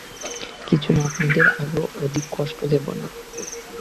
কিছু না, আপনাদের আর অধিক কষ্ট দেব না!